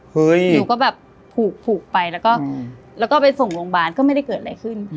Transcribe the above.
หนูก็แบบผูกไปแล้วก็ไปส่งโรงพยาบาลก็ไม่ได้เกิดอะไรขึ้น